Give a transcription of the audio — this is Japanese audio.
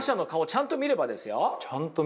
ちゃんと見れば。